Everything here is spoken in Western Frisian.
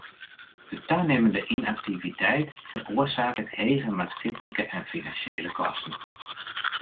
De tanimmende ynaktiviteit feroarsaket hege maatskiplike en finansjele kosten.